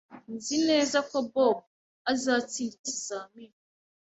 Nzi neza ko Bob azatsinda ikizamini